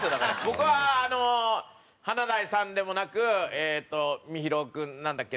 僕は華大さんでもなくえっとみひろ君なんだっけ？